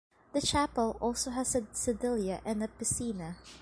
The chapel also has a sedilia and a piscina.